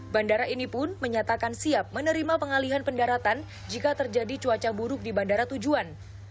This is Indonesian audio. bandara ini pun menyatakan siap menerima pengalihan pendaratan jika terjadi cuaca buruk di bandara tujuan